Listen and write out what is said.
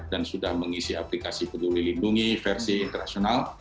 dan sudah mengisi aplikasi peduli lindungi versi internasional